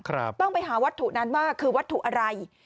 ต้องไปหาวัตถุนั้นว่าคือวัตถุอะไร